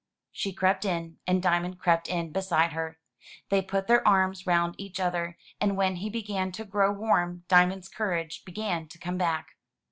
She crept in, and Diamond crept in beside her. They put their arms round each other, and when he began to grow warm Diamond's courage began to come back.